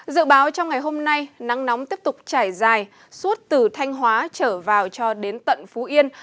dự báo trong ngày hôm nay nắng nóng tiếp tục trải dài suốt từ thanh hóa trở vào cho đến tận phú yên